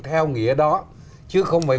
theo nghĩa đó chứ không phải